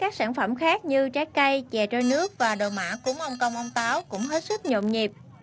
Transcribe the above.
các sản phẩm khác như trái cây chè trôi nước và đồ mã cúng ông công ông táo cũng hết sức nhộn nhịp